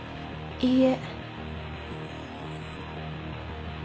いいえ。